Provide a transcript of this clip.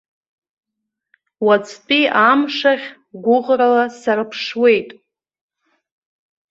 Уаҵәтәи амш ахь гәыӷрала сарԥшуеит.